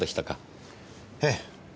ええ。